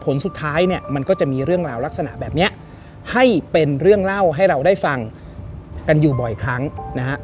ผลสุดท้ายเนี่ยมันก็จะมีเรื่องราวลักษณะแบบนี้ให้เป็นเรื่องเล่าให้เราได้ฟังกันอยู่บ่อยครั้งนะฮะ